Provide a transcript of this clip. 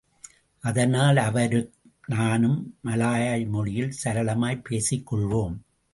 அதனால் அவரும் நானும் மலாய் மொழியில் சரளமாய் பேசிக் கொள்வோம்.